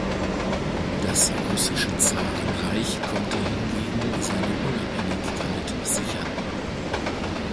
Das Russische Zarenreich konnte hingegen seine Unabhängigkeit sichern.